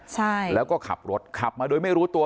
ใช่แล้วก็ขับรถขับมาโดยไม่รู้ตัว